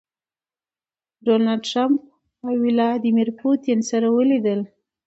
ډونالډ ټرمپ او ويلاديمير پوتين سره وليدل.